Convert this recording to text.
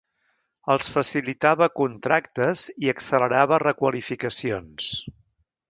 Els facilitava contractes i accelerava requalificacions.